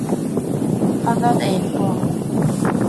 Rhoddodd ef y bwrdd.